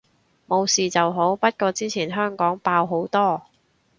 冇事就好，不過之前香港爆好多